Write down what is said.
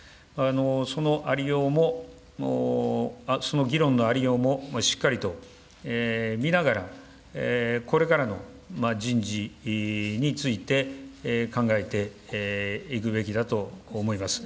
そのありようも、その議論のありようもしっかりと見ながら、これからの人事について、考えていくべきだと思います。